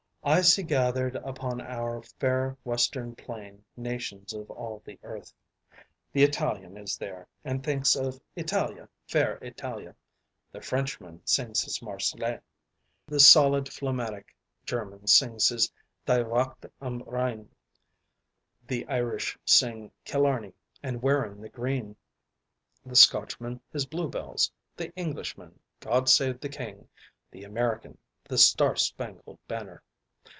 I see gathered upon our fair western plain nations of all the earth. The Italian is there and thinks of "Italia, fair Italia!" The Frenchman sings his "Marsellaise." The solid, phlegmatic German sings his "Die Wacht am Rhein." The Irish sing "Killarney" and "Wearin' the Green"; the Scotchman his "Blue Bells"; the Englishman, "God save the King!"; the American, the "Star spangled Banner."